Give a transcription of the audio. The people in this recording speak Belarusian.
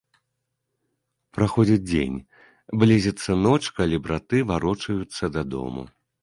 Праходзіць дзень, блізіцца ноч, калі браты варочаюцца дадому.